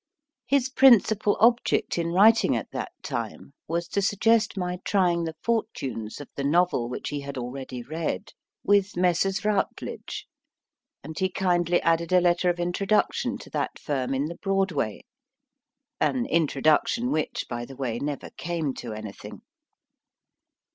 His principal object in writing at that time was to suggest my trying the fortunes of THE DRAWING ROOM the novel, which he had already read, with Messrs. Routledge, and he kindly added a letter of introduction to that firm in the Broadway an introduction which, by the way, never came to anything.